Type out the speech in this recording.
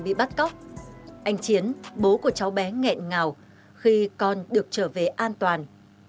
bị bắt cóc anh chiến bố của cháu bé nghẹn ngào khi con được trở về an toàn